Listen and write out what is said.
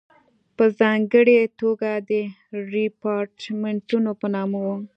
په ځانګړې توګه د ریپارټیمنټو په نامه وو.